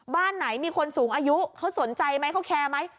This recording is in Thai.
บ้านไหนมีคนสูงอายุเขาสนใจไหมเขาแคร์ไหม